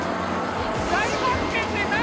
大発見って何？